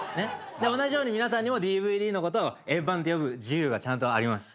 同じように皆さんにもＤＶＤのことを円盤って呼ぶ自由がちゃんとあります。